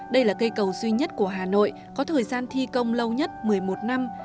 đây là cây cầu duy nhất của hà nội có thời gian thi công lâu nhất một mươi một năm